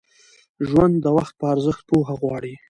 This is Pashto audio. ژوند د وخت په ارزښت پوهه غواړي.